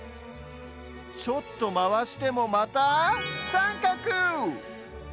ちょっとまわしてもまたさんかく！